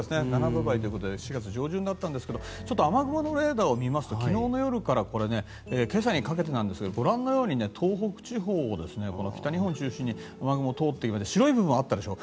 ７度台ということで４月上旬だったんですが雨雲のレーダーを見ますとこれ、昨日の夜から今朝にかけてですがご覧のように東北地方、北日本中心に雨雲が通っていて白い部分があったでしょ。